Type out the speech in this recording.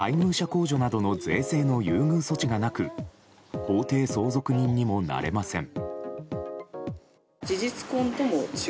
配偶者控除などの税制の優遇措置がなく法定相続人にもなれません。